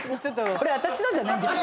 これ私のじゃないんですよ。